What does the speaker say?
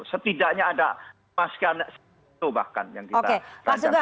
setidaknya ada masyarakat bahkan yang kita rajakan